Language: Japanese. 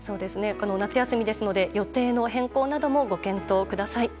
夏休みですので予定の変更などもご検討ください。